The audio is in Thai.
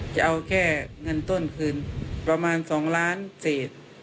จะเอาแค่เงินต้นคืนประมาณ๒ล้านเศษ